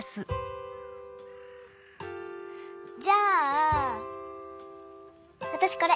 じゃあ私これ。